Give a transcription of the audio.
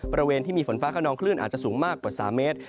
บริเวณที่มีฝนฟ้าขนองคลื่นอาจจะสูงมากกว่า๓เมตร